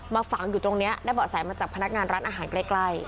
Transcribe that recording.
ฝังอยู่ตรงนี้ได้เบาะแสมาจากพนักงานร้านอาหารใกล้